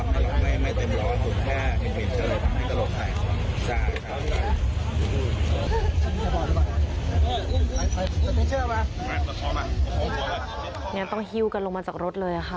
เนี่ยต้องฮิ้วกันลงมาจากรถเลยค่ะ